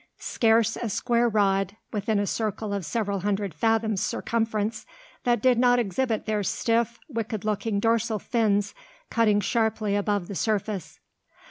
Scarce a square rod, within a circle of several hundred fathoms' circumference, that did not exhibit their stiff, wicked looking dorsal fins cutting sharply above the surface.